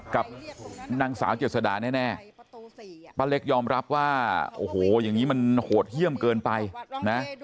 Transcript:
กับนางสาวเจษดาแน่ป้าเล็กยอมรับว่าโอ้โหอย่างนี้มันโหดเยี่ยมเกินไปนะ